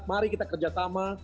mari kita kerja sama